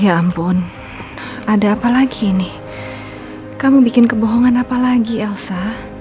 ya ampun ada apa lagi nih kamu bikin kebohongan apa lagi elsa